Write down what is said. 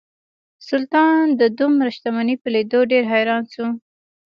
سلطان د دومره شتمنۍ په لیدو ډیر حیران شو.